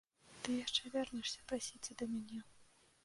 Ты яшчэ вернешся прасіцца да мяне.